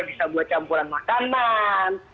bisa buat campuran makanan